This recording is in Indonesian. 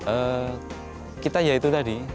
eh kita yaitu tadi